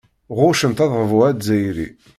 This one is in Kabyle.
Ɣuccent adabu azzayri.